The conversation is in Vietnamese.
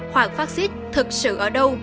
hoàng phát xít thực sự ở đâu